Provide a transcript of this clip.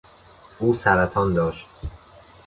او سرطان داشت.